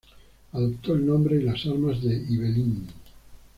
Adoptó el nombre y las armas de Ibelín.